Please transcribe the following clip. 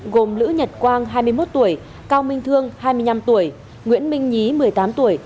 gồm lữ nhật quang hai mươi một tuổi cao minh thương hai mươi năm tuổi nguyễn minh nhí một mươi tám tuổi